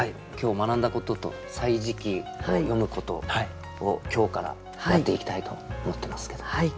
今日学んだことと「歳時記」を読むことを今日からやっていきたいと思ってますけども。